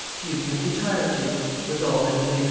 "You can retire, duke," was all that Louis XIII.